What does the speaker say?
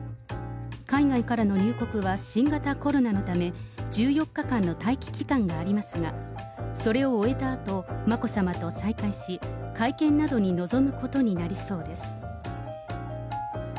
海外からの入国は新型コロナのため、１４日間の待機期間がありますが、それを終えたあと、眞子さまと再会し、会見などに臨むことになりそうです。